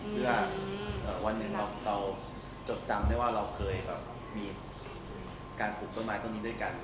เพื่อวันหนึ่งเราจดจำได้ว่าเราเคยแบบมีการปลูกต้นไม้ต้นนี้ด้วยกัน